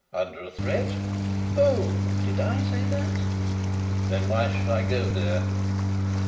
"Under a threat?" "Oh! Did I say that?" "Then, why should I go there?"